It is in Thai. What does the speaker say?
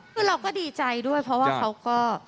คือเราก็ดีใจด้วยเพราะว่าเขาก็